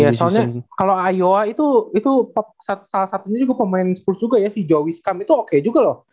iya soalnya kalau iowa itu salah satunya juga pemain spurs juga ya si joe wiskam itu oke juga loh